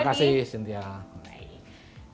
terima kasih cynthia